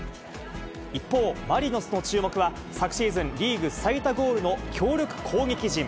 一方、マリノスの注目は昨シーズン、リーグ最多ゴールの強力攻撃陣。